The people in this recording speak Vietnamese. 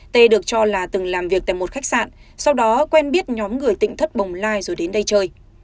t được cho là từng làm việc tại một khách sạn sau đó quen biết nhóm người tỉnh thất bồng lai rồi đến đây chơi